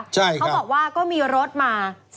ใช่ครับเขาบอกว่าก็มีรถมา๔๐คัน